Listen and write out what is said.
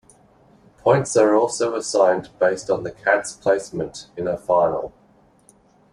Points are also assigned based on the cat's placement in a final.